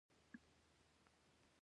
د ځمکې لاندې اوبو کچه ټیټه شوې؟